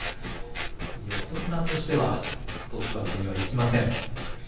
横綱としては落とすわけにはいきません。